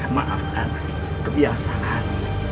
maaf kak kebiasaan